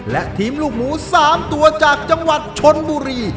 และทีมลูกหมู๓ตัวจากจังหวัดชนบุรี